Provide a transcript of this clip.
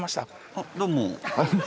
あっどうも。